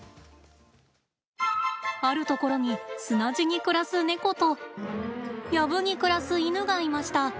あるところに砂地に暮らすネコと藪に暮らすイヌがいました。